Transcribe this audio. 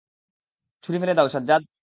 ছুড়ি ফেলে দাও, সাজ্জাদ!